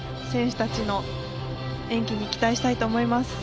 選手たちの演技に期待したいと思います。